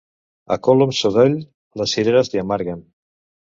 A colom sadoll, les cireres li amarguen.